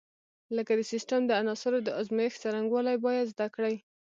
لکه د سیسټم د عناصرو د ازمېښت څرنګوالي باید زده کړي.